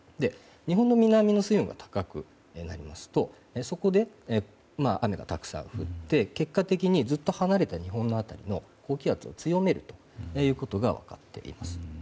日本の南の水温が高くなりますとそこで雨がたくさん降って結果的にずっと離れた日本の辺りの高気圧も強めるということが分かっています。